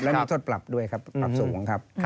และมีโทษปรับด้วยครับปรับสูงครับ